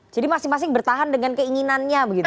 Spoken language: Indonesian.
jadi masing masing bertahan dengan keinginannya begitu